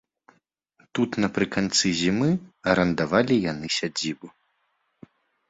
Тут напрыканцы зімы арандавалі яны сядзібу.